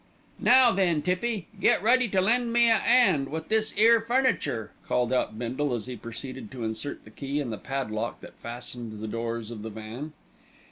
"Now then, Tippy, get ready to lend me a 'and with this 'ere furniture," called out Bindle as he proceeded to insert the key in the padlock that fastened the doors of the van.